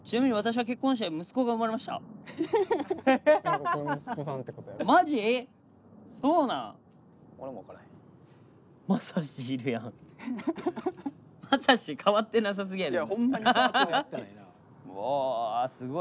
はい。